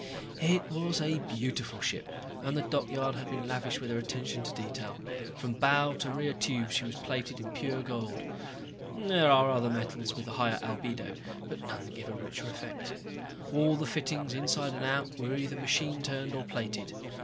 It was a beautiful ship, and the dockyard had been lavish with their attention to detail. From bow to rear tubes she was plated in pure gold. There are other metals with a higher albedo, but none that give a richer effect. All the fittings, inside and out, were either machine turned or plated.